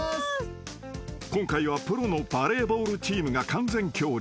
［今回はプロのバレーボールチームが完全協力］